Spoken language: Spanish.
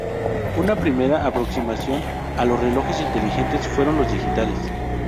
Una primera aproximación a los relojes inteligentes fueron los digitales.